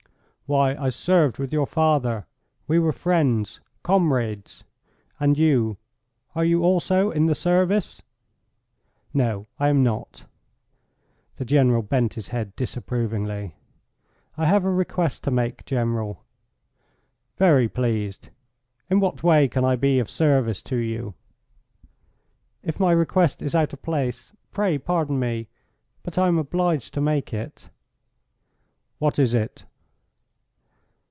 "Why, I served with your father. We were friends comrades. And you; are you also in the Service?" "No, I am not." The General bent his head disapprovingly. "I have a request to make, General." "Very pleased. In what way can I be of service to you?" "If my request is out of place pray pardon me. But I am obliged to make it." "What is it?"